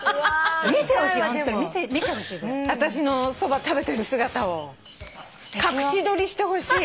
私のそば食べてる姿を隠し撮りしてほしい？